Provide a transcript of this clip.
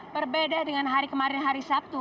berbeda dengan hari kemarin hari sabtu